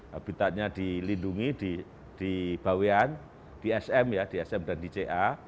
habitatnya dilindungi di bawean di sm dan di ca